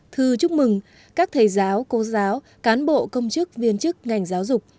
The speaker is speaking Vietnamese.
thư chúc mừng các thầy giáo cô giáo cán bộ công chức viên chức ngành giáo dục